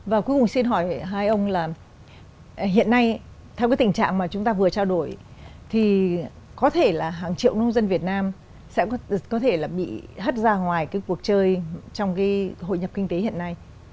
và cuối cùng xin hỏi hai ông là hiện nay theo cái tình trạng mà chúng ta vừa trao đổi thì có thể là hàng triệu nông dân việt nam sẽ có thể là bị hất ra ngoài cái cuộc chơi trong cái hội nhập kinh tế hiện nay